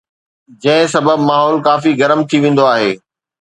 جنهن سبب ماحول ڪافي گرم ٿي ويندو آهي